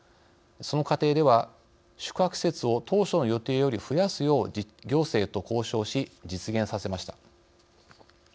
その過程では、宿泊施設を当初の予定より増やすよう行政と交渉をし、実現させました。